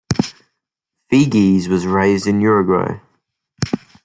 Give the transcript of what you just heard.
Fygi's was raised in Uruguay.